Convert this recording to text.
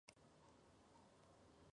un poco de embutido y papel de plata